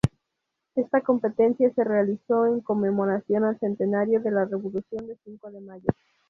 Esta competencia se realizó en conmemoración del centenario de la Revolución de Mayo.